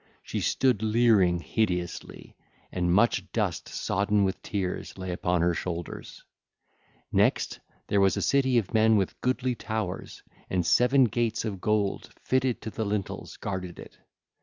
She stood leering hideously, and much dust sodden with tears lay upon her shoulders. (ll. 270 285) Next, there was a city of men with goodly towers; and seven gates of gold, fitted to the lintels, guarded it.